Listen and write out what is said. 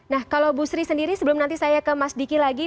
nah kalau bu sri sendiri sebelum nanti saya ke mas diki lagi